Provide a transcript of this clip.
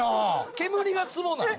煙がツボなん？